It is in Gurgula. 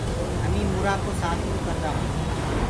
همينٚ مُرآ ڪو سآتوونٚ ڪردآ هونٚ۔